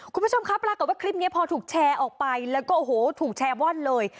คุณผู้ชมครับปรากฏว่าคลิปนี้พอถูกแชร์ออกไปแล้วก็โอ้โหถูกแชร์ว่อนเลย